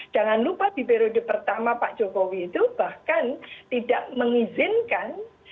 jangan lupa di periode pertama pak jokowi itu bahkan tidak mengizinkan